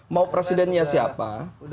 mau presidennya siapa